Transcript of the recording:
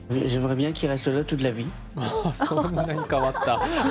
そんなに変わった？